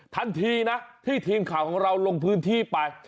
ทันทีนะที่ทีมข่าวของเราลงพื้นที่ไป